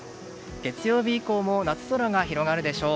月曜日以降も夏空が広がるでしょう。